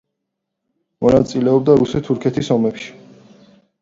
მონაწილეობდა რუსეთ-თურქეთის ომებში.